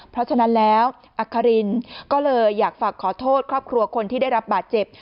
เพราะฉะนั้นแล้วอัครินก็เลยอยากฝากขอโทษครอบครัวคนที่ได้รับบาดเจ็บ